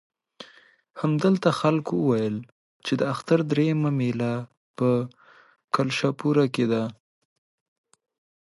همدلته خلکو وویل چې د اختر درېیمه مېله په کلشپوره کې ده.